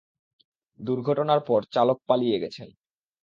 দুর্ঘটনার পর চালক পালিয়ে গেছেন।